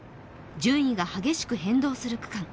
順位が激しく変動する区間。